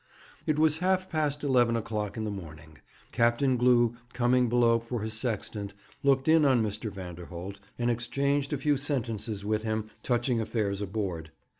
It was half past eleven o'clock in the morning. Captain Glew, coming below for his sextant, looked in on Mr. Vanderholt, and exchanged a few sentences with him touching affairs aboard.